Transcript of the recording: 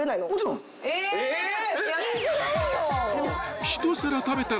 聞いてないよ！